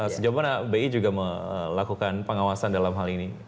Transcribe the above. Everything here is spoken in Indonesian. sejauh mana bi juga melakukan pengawasan dalam hal ini